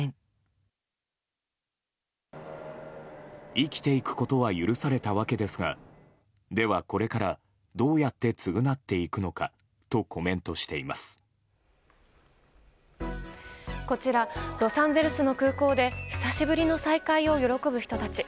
生きていくことは許されたわけですがでは、これからどうやって償っていくのかとこちら、ロサンゼルスの空港で久しぶりの再会を喜ぶ人たち。